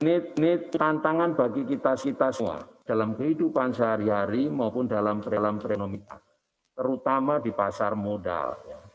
ini tantangan bagi kita kita semua dalam kehidupan sehari hari maupun dalam perekonomian terutama di pasar modal